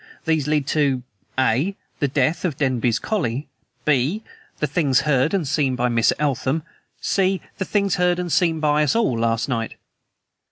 These lead to: "(a) The death of Denby's collie; "(b) The things heard and seen by Miss Eltham; "(c) The things heard and seen by us all last night.